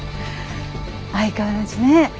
相変わらずね。